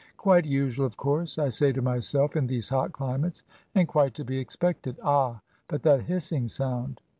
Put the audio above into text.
" Quite usual, of course," I say to myself, "in these hot climates, and quite to be expected !" Ah, but that hissing sound!